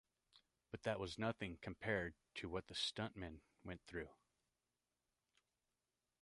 But that was nothing compared to what the stunt men went through.